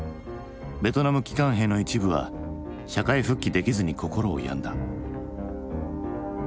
ベトナム帰還兵の一部は社会復帰できずに心を病んだ。